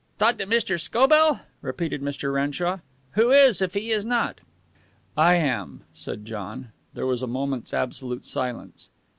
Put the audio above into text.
"Thought that Mr. Scobell ?" repeated Mr. Renshaw. "Who is, if he is not?" "I am," said John. There was a moment's absolute silence.